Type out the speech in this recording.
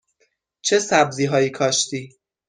چه سبزی هایی کاشتی؟